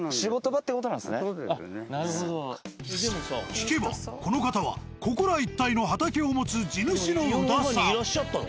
聞けばこの方はここら一帯の畑を持つ地主の宇田さん。